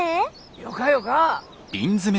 よかよか。